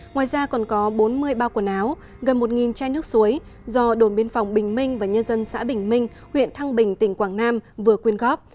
ngoài ra còn có bốn mươi bao quần áo gần một chai nước suối do đồn biên phòng bình minh và nhân dân xã bình minh huyện thăng bình tỉnh quảng nam vừa quyên góp